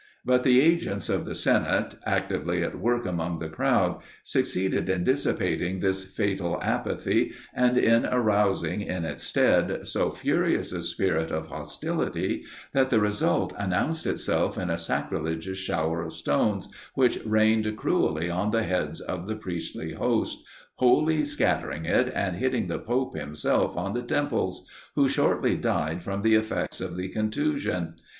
But the agents of the senate, actively at work among the crowd, succeeded in dissipating this fatal apathy, and in rousing, in its stead, so furious a spirit of hostility, that the result announced itself in a sacrilegious shower of stones, which rained cruelly on the heads of the priestly host, wholly scattering it, and hitting the pope himself on the temples; who shortly died from the effects of the contusion.